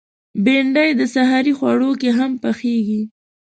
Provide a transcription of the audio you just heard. بېنډۍ د سحري خواړه کې هم پخېږي